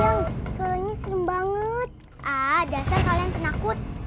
suruh suruhnya serius banget adek salem penakut